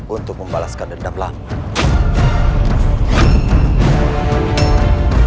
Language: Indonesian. untuk membalaskan dendam lama